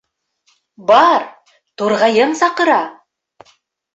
— Бар, турғайың саҡыра.